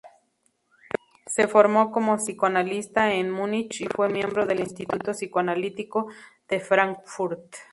Se formó como psicoanalista en Munich y fue miembro del Instituto Psicoanalítico de Frankfurt.